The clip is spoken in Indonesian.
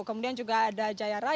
kemudian juga ada jaya raya